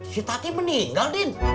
si tati meninggal din